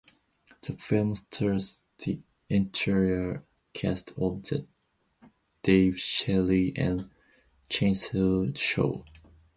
The film stars the entire cast of "The Dave, Shelly, and Chainsaw Show".